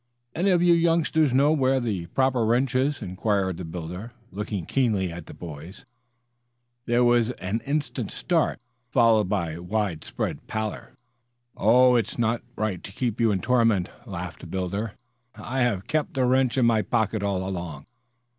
"Any of you youngsters know where the proper wrench is?" inquired the builder, looking keenly at the boys. There was an instant start, followed by widespread pallor. "Oh, it's not right to keep you in torment," laughed the builder. "I have kept the wrench in my pocket, all along."